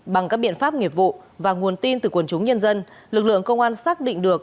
bằng các biện pháp nghiệp vụ và nguồn tin từ quần chúng nhân dân lực lượng công an xác định được